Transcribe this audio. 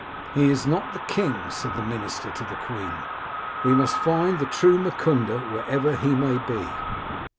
He is not the king,' said the minister to the queen. * We must find the true Mukunda, wherever he may be.'